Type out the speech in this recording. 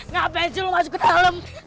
ngapain sih lo masuk ke dalam